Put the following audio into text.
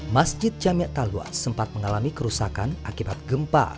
masjid jamied talwa sempat mengalami kerusakan akibat gempa